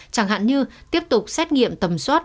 chẳng hạn như tiếp tục xét nghiệm tầm suốt